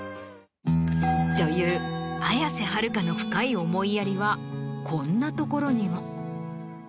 女優綾瀬はるかの深い思いやりはこんなところにも。